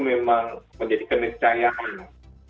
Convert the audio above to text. memang menjadi kenecayaan